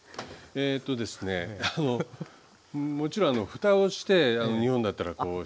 えとですねもちろんあのふたをして日本だったら火を通して。